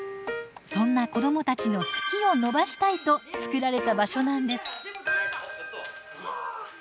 そんな子どもたちの「好き」を伸ばしたいと作られた場所なんです。